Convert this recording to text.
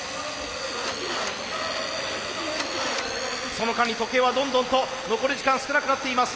その間に時計はどんどんと残り時間少なくなっています。